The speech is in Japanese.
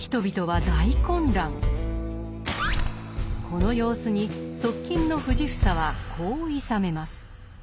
この様子に側近の藤房はこういさめます。